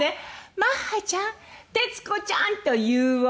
「マッハちゃん徹子ちゃんと言おう」